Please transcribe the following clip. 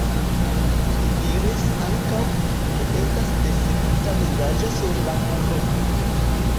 Li diris ankaŭ, ke estas desegnita vizaĝo sur la muro.